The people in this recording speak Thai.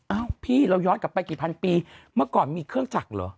พี่เราย้อนกลับไปกี่พันปีเมื่อก่อนมีเครื่องจักรเหรอ